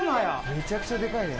めちゃくちゃデカいね。